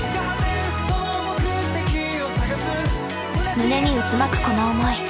胸に渦巻くこの思い。